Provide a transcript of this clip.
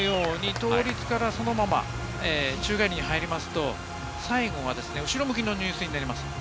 倒立からそのまま宙返りに入りますと、最後は後ろ向きの入水になります。